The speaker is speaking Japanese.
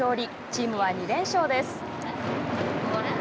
チームは２連勝です。